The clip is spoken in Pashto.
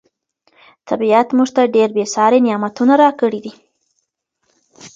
طبیعت موږ ته ډېر بې ساري نعمتونه راکړي دي.